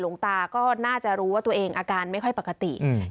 หลวงตาก็น่าจะรู้ว่าตัวเองอาการไม่ค่อยปกติ